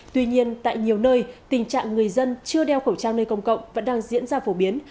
tuy nhiên tại nhiều nơi tình trạng người dân chưa đeo khẩu trang nơi công cộng vẫn đang diễn ra phổ biến